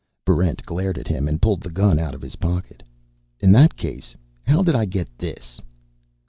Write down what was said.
Barrent glared at him and pulled the gun out of his pocket. "In that case, how did I get this?"